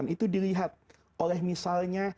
itu dilihat oleh misalnya